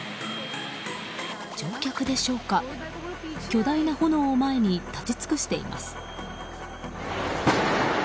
乗客でしょうか巨大な炎を前に立ち尽くしています。